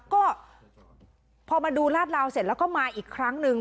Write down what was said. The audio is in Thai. ก็พอมาดูลาดลาวเสร็จแล้วก็มาอีกครั้งหนึ่ง